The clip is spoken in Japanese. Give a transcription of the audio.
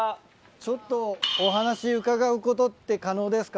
ちょっとお話伺うことって可能ですか？